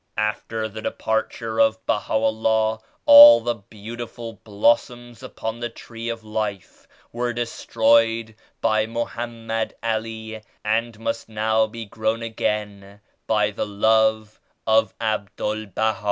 After the departure of Baha'u'llah all the beautiful blossoms upon the Tree of Life were destroyed by Mo hammed Ali and must now be grown again by the Love of Abdul Baha.